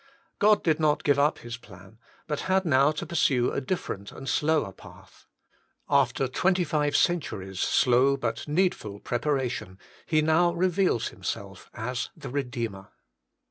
God did not give up His plan, but had now to pursue a different and slower path. After twenty five centuries' slow but needful preparation, He now reveals Himself as the Redeemer.